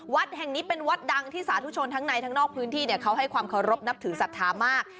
วัดแห่งนี้เป็นวัดดังที่สาธุชนทั้งในทั้งนอกพื้นที่เขาให้ความเคารพนับถือศรัทธามาก